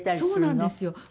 そうなんですよ。